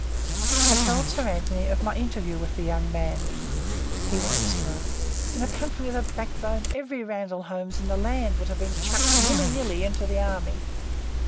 I told Sir Anthony of my interview with the young man. He waxed wroth. In a country with a backbone every Randall Holmes in the land would have been chucked willy nilly into the army.